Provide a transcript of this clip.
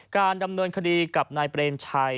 การดำเนินคดีกับนายเปรมชัย